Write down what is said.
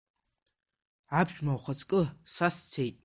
Аԥшәма, ухаҵкы са сцеит!